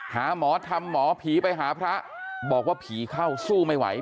หาหมอธรรมหมอผีไปหาพระบอกว่าผีเข้าสู้ไม่ไหว